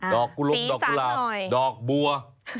ดอกกุรุมดอกกุหลาบดอกบัวสีซ้ำหน่อย